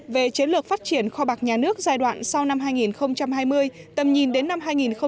về chiến lược phát triển kho bạc nhà nước giai đoạn sau năm hai nghìn hai mươi tầm nhìn đến năm hai nghìn ba mươi